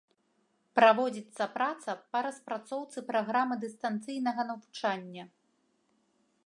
Праводзіцца праца па распрацоўцы праграмы дыстанцыйнага навучання.